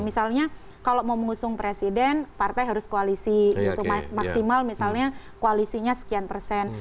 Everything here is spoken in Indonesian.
misalnya kalau mau mengusung presiden partai harus koalisi maksimal misalnya koalisinya sekian persen